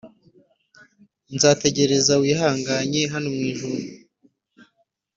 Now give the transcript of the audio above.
nzategereza wihanganye hano mwijuru